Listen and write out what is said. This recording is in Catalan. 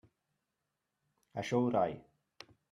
Això rai.